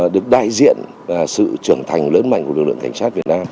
được đại diện sự trưởng thành lớn mạnh của lực lượng cảnh sát việt nam